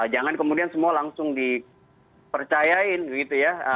jangan kemudian semua langsung dipercayain gitu ya